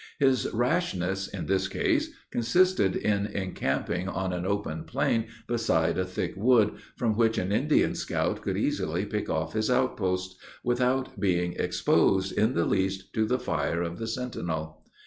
His rashness, in this case, consisted in encamping on an open plain beside a thick wood, from which an Indian scout could easily pick off his outposts, without being exposed, in the least, to the fire of the sentinel.